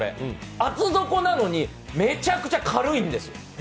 厚底なのに、めちゃくちゃ軽いんです。